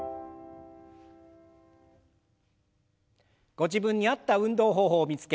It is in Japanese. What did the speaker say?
ご自分に合った運動方法を見つけ